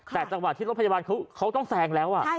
แต่จังหวะที่รถพยาบาลเขาต้องแซงแล้ว